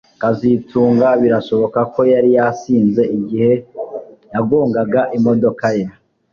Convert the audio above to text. kazitunga birashoboka ko yari yasinze igihe yagonganaga imodoka ye